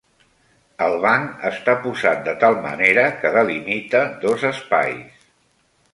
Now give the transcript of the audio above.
El banc està posat de tal manera que delimita dos espais.